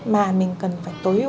mà mình cần phải tối ưu